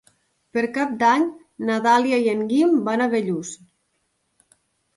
Per Cap d'Any na Dàlia i en Guim van a Bellús.